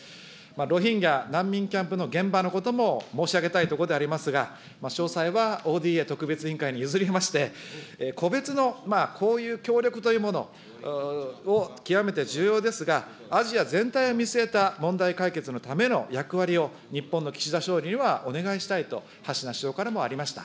ロヒンギャ難民キャンプの現場のことも申し上げたいとこでございますが、詳細はＯＤＡ特別委員会に譲りまして、個別のこういう協力というものを極めて重要ですが、アジア全体を見据えた問題解決のための役割を日本の岸田総理にはお願いしたいと、ハシナ首相からもありました。